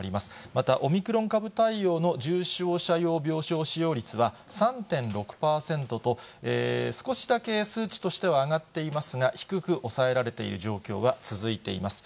またオミクロン株対応の重症者用病床使用率は３．６％と、少しだけ数値としては上がっていますが、低く抑えられている状況は続いています。